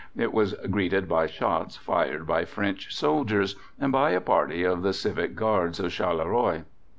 It was greeted by shots fired by French soldiers, and by a party of the Civic Guards of Charleroi.